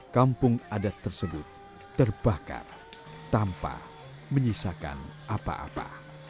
kampung adat tersebut terbakar tanpa menyisakan apa apa